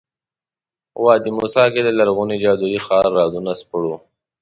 وادي موسی کې د لرغوني جادویي ښار رازونه سپړو.